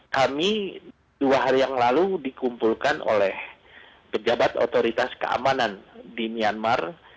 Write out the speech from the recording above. kami dua hari yang lalu dikumpulkan oleh pejabat otoritas keamanan di myanmar